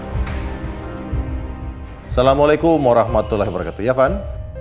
assalamualaikum warahmatullahi wabarakatuh ya van